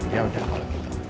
ya udah gue lakuin